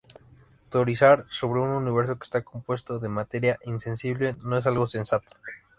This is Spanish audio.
Teorizar sobre un universo que está compuesto de materia insensible no es algo sensato.